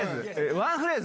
ワンフレーズ。